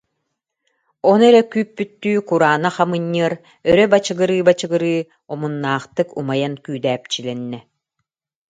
Ону эрэ күүппүттүү кураанах амынньыар, өрө бачыгырыы-бачыгырыы, омун- наахтык умайан күүдэпчилэннэ